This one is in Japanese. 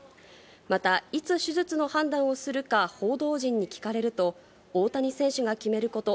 また、いつ手術の判断をするか、報道陣に聞かれると、大谷選手が決めること。